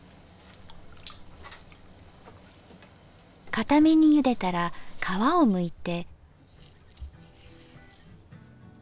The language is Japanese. かためにゆでたら皮をむいて。